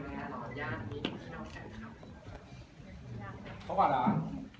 มีอะไรจะขอบคุณไหมละครับ